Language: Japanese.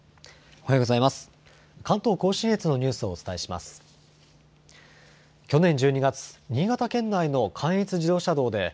おはようございます。